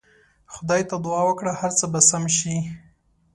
خدای ته دعا وکړه هر څه به سم سي.